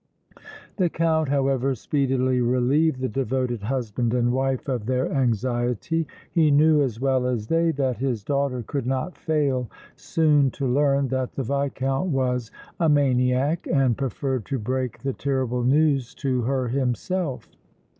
The Count, however, speedily relieved the devoted husband and wife of their anxiety. He knew as well as they that his daughter could not fail soon to learn that the Viscount was a maniac and preferred to break the terrible news to her himself.